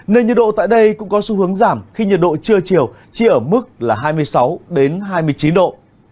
nên nhiệt độ tại đây cũng có xu hướng giảm khi nhiệt độ trưa chiều chỉ ở mức là hai mươi sáu hai mươi chín độ